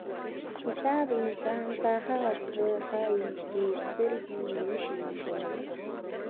• کتاب انسان ته هغه څه ښیي چې سترګې یې نشي لیدلی.